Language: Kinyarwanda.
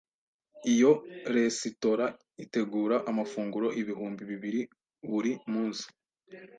Iyo resitora itegura amafunguro ibihumbi bibiri buri munsi.